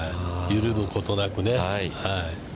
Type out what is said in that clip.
緩むことなくね。